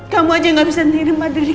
kamu aja gak bisa nirima diri